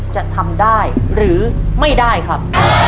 จะทำได้หรือไม่ได้ครับ